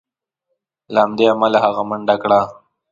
له همدې امله هغه منډه کړه.